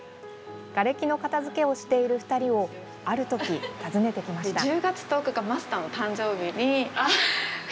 がれきの片づけをしている２人をある時、訪ねてきました。